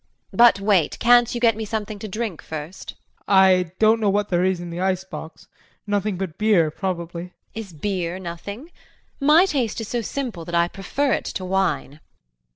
But wait can't you get me something to drink first? JEAN. I don't know what there is in the icebox. Nothing but beer, probably. JULIE. Is beer nothing? My taste is so simple that I prefer it to wine.